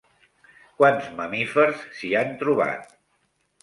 Quants mamífers s'hi han trobat?